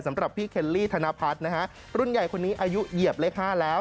สำหรับพี่เคลลี่ธนพัฒน์นะฮะรุ่นใหญ่คนนี้อายุเหยียบเลข๕แล้ว